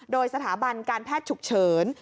โดยสถาบันการแพทย์ฉุกเฉิน